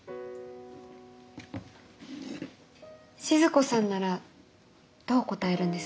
静子さんならどう答えるんです？